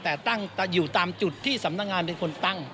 แต่ตั้งอยู่ตามจุดที่สำนักงานเป็นคนตั้ง